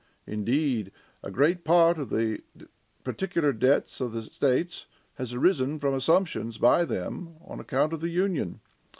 Indeed, a great part of the particular debts of the states has arisen from assumptions by them on account of the Union.